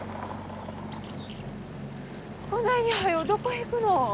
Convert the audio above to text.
こないにはようどこへ行くの？